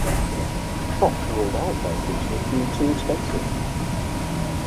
Fox ruled out Mel Gibson as being too expensive.